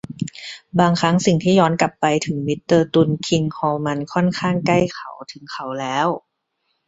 บางครั้ง สิ่งที่ย้อนกลับไปถึงมิสเตอร์ตุลคิงฮอร์มันค่อนข้างใกล้เขาถึงเขาแล้ว